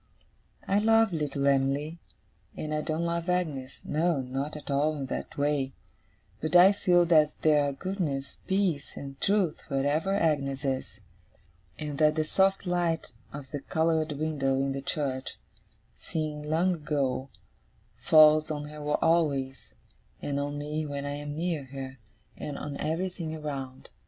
I love little Em'ly, and I don't love Agnes no, not at all in that way but I feel that there are goodness, peace, and truth, wherever Agnes is; and that the soft light of the coloured window in the church, seen long ago, falls on her always, and on me when I am near her, and on everything around.